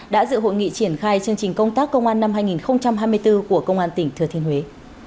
đã dự hội nghị triển khai chương trình công tác công an năm hai nghìn hai mươi bốn của công an tỉnh thừa thiên huế